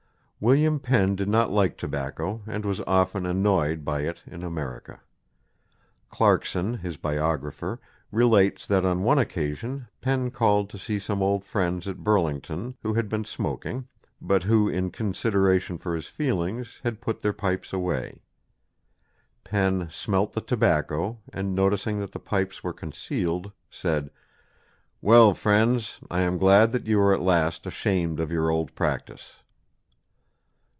William Penn did not like tobacco and was often annoyed by it in America. Clarkson, his biographer, relates that on one occasion Penn called to see some old friends at Burlington, who had been smoking, but who, in consideration for his feelings, had put their pipes away. Penn smelt the tobacco, and noticing that the pipes were concealed, said, "Well, friends, I am glad that you are at last ashamed of your old practice."